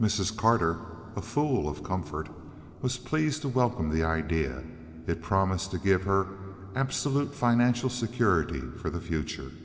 Mrs. Carter, a fool of comfort, was pleased to welcome this idea. It promised to give her absolute financial security for the future.